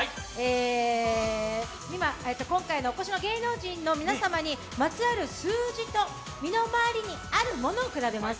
今回お越しの芸能人の方にまつわる数字と身の回りにあるものを比べます。